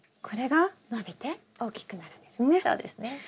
これが伸びて大きくなるんですね？